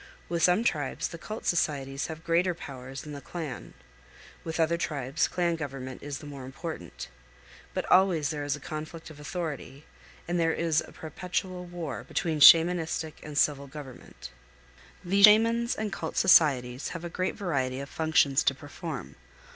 With some tribes the cult socie 364 CANYONS OF THE COLORADO. ties have greater powers than the clan; with other tribes clan government is the more important; but always there is a conflict of authority, and there is a perpetual war between Shamanistic and civil government. These Shamans and cult societies have a great variety of functions to perform.